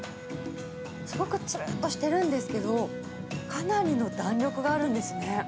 すごくつるっとしてるんですけど、かなりの弾力があるんですね。